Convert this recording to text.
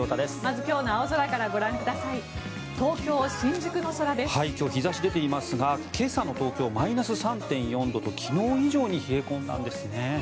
今日、日差し出ていますが今朝の東京、マイナス３．４度と昨日以上に冷え込んだんですね。